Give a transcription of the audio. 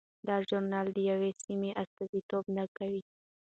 دا ژورنال د یوې سیمې استازیتوب نه کوي.